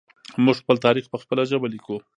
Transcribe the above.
موږ خپل تاریخ په خپله ژبه لیکو.